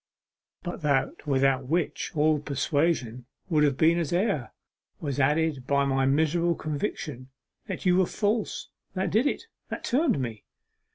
But that without which all persuasion would have been as air, was added by my miserable conviction that you were false; that did it, that turned me!